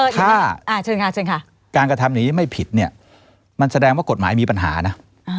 ถ้าการกระทำอย่างนี้ไม่ผิดมันแสดงว่ากฎหมายมีปัญหานะ